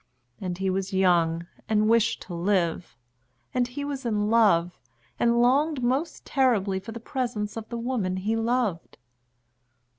And he was young and wished to live, and he was in love and longed most terribly for the presence of the woman he loved.